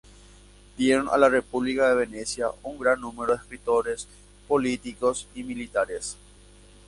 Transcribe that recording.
Dieron a la República de Venecia un gran número de escritores, políticos y militares.